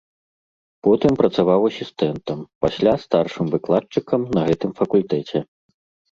Потым працаваў асістэнтам, пасля старшым выкладчыкам на гэтым факультэце.